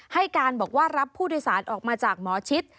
ให้การบอกว่ารับผู้โดยสารออกมาจากหมอชิด